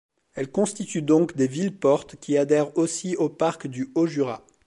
Elles constituent donc des villes-portes qui adhèrent aussi au parc du Haut-Jura.